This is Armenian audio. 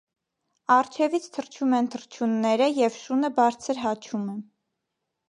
Առջևից թռչում են թռչունները և շունը բարձր հաչում է։